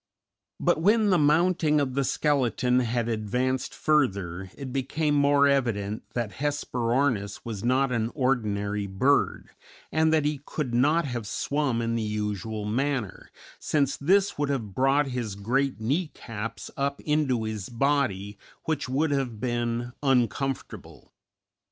But when the mounting of the skeleton had advanced further it became more evident that Hesperornis was not an ordinary bird, and that he could not have swum in the usual manner, since this would have brought his great knee caps up into his body, which would have been uncomfortable.